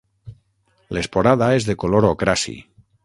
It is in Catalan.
L'esporada és de color ocraci.